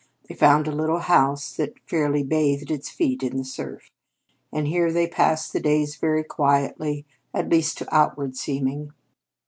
They found a little house that fairly bathed its feet in the surf, and here they passed the days very quietly, at least to outward seeming.